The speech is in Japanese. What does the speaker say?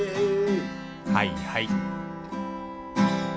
はいはい。